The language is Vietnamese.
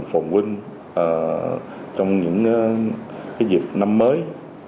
một phần huynh trong những cái dịp năm mới